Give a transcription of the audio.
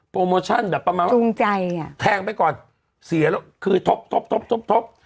โมชั่นแบบประมาณว่าจูงใจอ่ะแทงไปก่อนเสียแล้วคือทบทบทบทบทบทบทบ